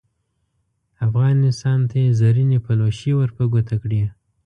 افغان انسان ته یې زرینې پلوشې ور په ګوته کړې.